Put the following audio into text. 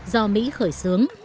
do mỹ khởi xướng